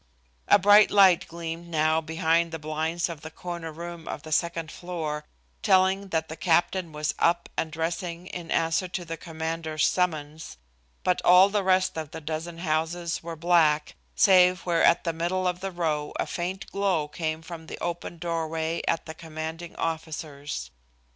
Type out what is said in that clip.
A bright light gleamed now behind the blinds of the corner room of the second floor, telling that the captain was up and dressing in answer to the commander's summons, but all the rest of the dozen houses were black, save where at the middle of the row a faint glow came from the open doorway at the commanding officer's.